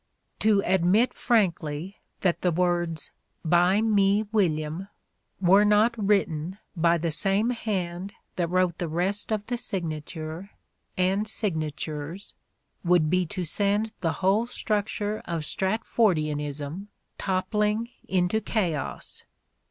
To admit frankly that the words " By me William " were not written by the same hand that wrote the rest of the signature and signatures would be to send the whole structure of Stratfordianism toppling into chaos.